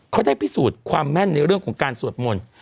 เขาได้พิสูจน์ความแม่นในเรื่องของการสวดมนต์